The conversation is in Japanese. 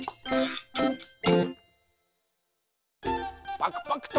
パクパクと。